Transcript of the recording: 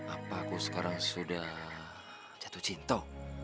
apa aku sekarang sudah jatuh cinta